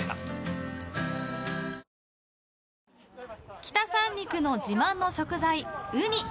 北三陸の自慢の食材、ウニ。